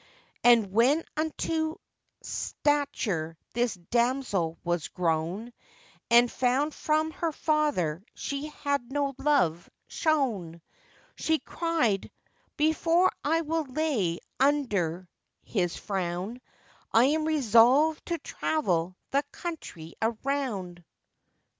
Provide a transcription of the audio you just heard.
And when unto stature this damsel was grown, And found from her father she had no love shown, She cried, 'Before I will lay under his frown, I'm resolvèd to travel the country around.